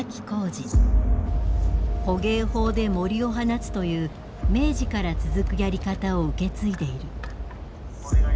捕鯨砲でもりを放つという明治から続くやり方を受け継いでいる。